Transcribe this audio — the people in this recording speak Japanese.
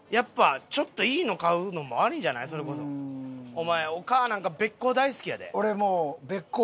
お前お母なんかべっこう大好きやで。